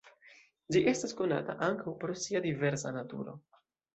Ĝi estas konata ankaŭ pro sia diversa naturo.